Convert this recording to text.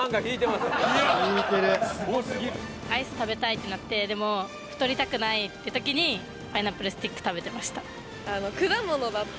アイス食べたいってなってでも太りたくないって時にパイナップルスティック食べてました。